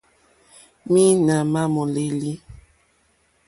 Mǐīnā má mòlêlì.